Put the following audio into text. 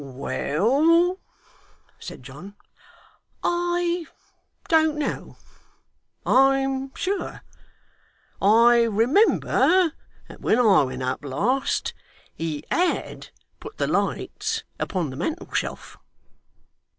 'Well,' said John, 'I don't know I am sure I remember that when I went up last, he HAD put the lights upon the mantel shelf.